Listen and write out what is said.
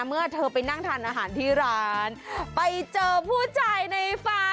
เมื่อเธอไปนั่งทานอาหารที่ร้านไปเจอผู้ชายในฟ้า